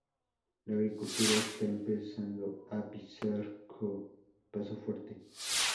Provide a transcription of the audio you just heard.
La agricultura está empezando a pisar co paso fuerte.